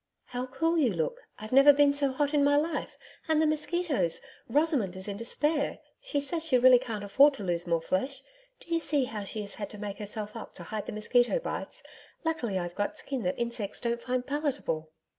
'How cool you look. I've never been so hot in my life. And the mosquitoes! Rosamond is in despair. She says she really can't afford to lose more flesh. Do you see how she has had to make herself up to hide the mosquito bites? Luckily, I've got a skin that insects don't find palatable....'